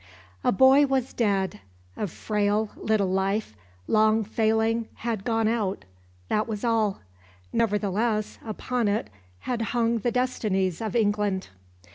A boy was dead. A frail little life, long failing, had gone out. That was all. Nevertheless upon it had hung the destinies of England.